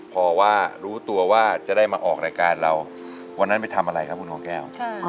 พอว่ารู้ตัวว่าจะได้มาออกรายการเราวันนั้นไปทำอะไรครับคุณน้องแก้ว